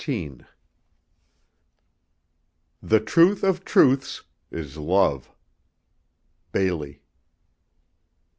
XIV The truth of truths is love. BAILEY.